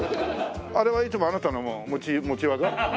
あれはいつもあなたの持ち技？